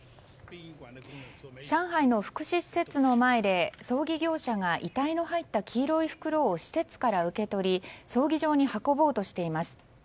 上海の福祉施設の前で葬儀業者が遺体の入った黄色い袋を施設から受け取り葬儀場の運ぼうとしています。